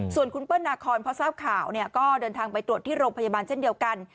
ส่วนคุณเปิ้ลนาคอนพอทราบข่าวก็เดินทางไปตรวจที่โรงพยาบาลเช่นเดียวกัน